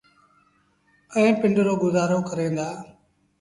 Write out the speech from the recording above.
ائيٚݩ پنڊرو گزآرو ڪريݩ دآ۔